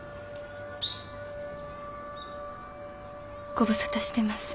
ご無沙汰してます